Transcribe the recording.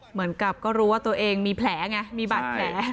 เหมือนกับก็รู้ว่าตัวเองมีแผลไงมีบาดแผล